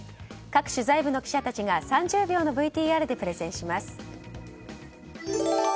各取材部の記者たちが３０秒のＶＴＲでプレゼンします。